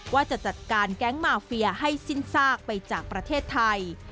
ว่าจะจัดการแก๊งมาเฟียให้สิ้นซากไปจากประเทศไทย